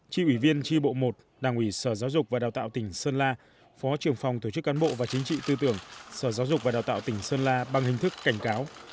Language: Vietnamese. tri ủy viên tri bộ một đảng ủy sở giáo dục và đào tạo tỉnh sơn la phó trưởng phòng tổ chức cán bộ và chính trị tư tưởng sở giáo dục và đào tạo tỉnh sơn la bằng hình thức cảnh cáo